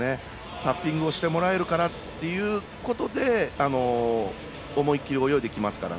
タッピングをしてもらえるからということで思い切り泳いできますから。